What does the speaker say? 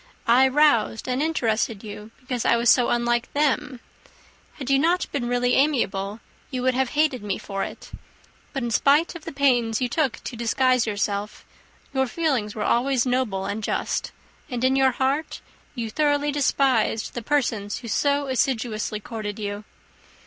I roused and interested you, because I was so unlike them. Had you not been really amiable you would have hated me for it: but in spite of the pains you took to disguise yourself, your feelings were always noble and just; and in your heart you thoroughly despised the persons who so assiduously courted you.